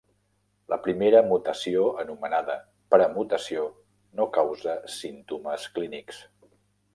La primera mutació, anomenada "premutació", no causa símptomes clínics.